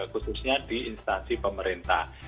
khususnya di instansi pemerintah